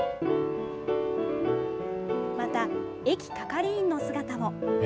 また、駅係員の姿も。